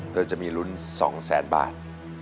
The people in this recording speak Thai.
เธอจะมีลุ้นสองแสนบาท